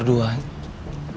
masuk yuk makan dulu